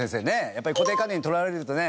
やっぱ固定観念にとらわれるとね。